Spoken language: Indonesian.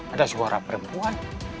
ada suara perempuan